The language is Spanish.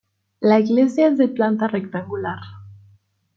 La iglesia es de planta rectangular.